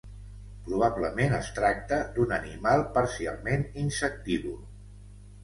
Probablement es tracta d'un animal parcialment insectívor.